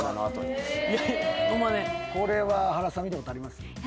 これは原さん見たことあります？